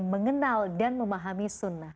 mengenal dan memahami sunnah